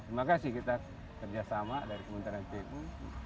terima kasih kita kerjasama dari kementerian pu